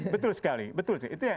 betul sekali betul sih